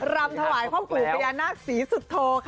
รำถวายความกลุ่มไปยาหน้าศรีสุธโทค่ะ